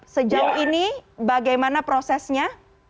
sejak ini bagaimana prosesnya